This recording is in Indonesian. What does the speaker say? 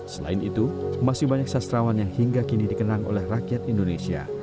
selain itu masih banyak sastrawan yang hingga kini dikenang oleh rakyat indonesia